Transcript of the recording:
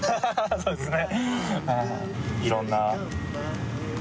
そうですね。